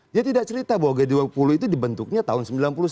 dia tidak cerita bahwa g dua puluh itu dibentuknya tahun sembilan puluh sembilan